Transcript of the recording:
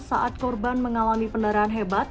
saat korban mengalami pendarahan hebat